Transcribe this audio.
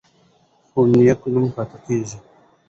خو نېک نوم پاتې کیږي.